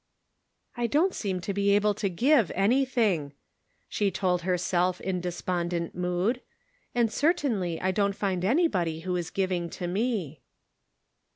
" I don't seem to be able to give anything," she told herself in despondent mood ; and cer tainly I don't find anybody who is giving to me."